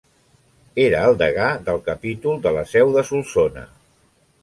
Era el degà del capítol de la seu de Solsona.